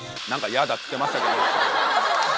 っつってましたけど。